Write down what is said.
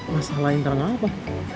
masalah internal apa